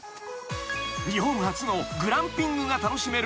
［日本初のグランピングが楽しめる］